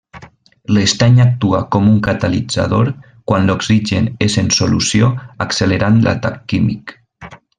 L'estany actua com un catalitzador quan l'oxigen és en solució accelerant l'atac químic.